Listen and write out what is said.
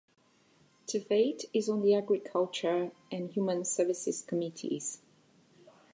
Tveit is on the Agriculture and Human Services Committees.